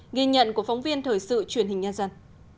ghi nhận của phóng viên thời sự truyền hình nhân dân